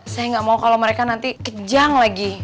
saya nggak mau kalau mereka nanti kejang lagi